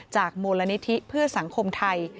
จากโมลณิธิเพื่อสังคมไทย